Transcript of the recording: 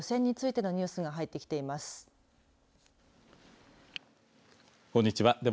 こんにちは。